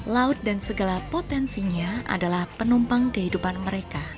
laut dan segala potensinya adalah penumpang kehidupan mereka